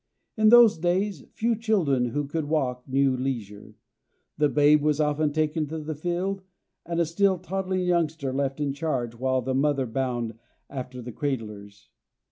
In those days few children who could walk knew leisure. The babe was often taken to the field and a still toddling youngster left in charge while the mother bound after the cradlers.